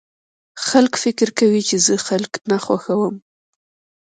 خلک فکر کوي چې زه خلک نه خوښوم